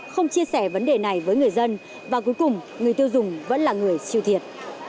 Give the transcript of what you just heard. không chia sẻ vấn đề này với người dân và cuối cùng người tiêu dùng vẫn là người siêu thiệt